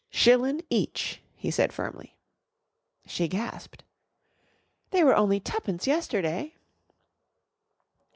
"Shillin' each," he said firmly. She gasped. "They were only twopence yesterday."